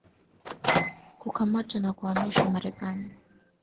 kukamatwa na kuhamishiwa Marekani